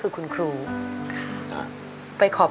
เพลงที่๖นะครับ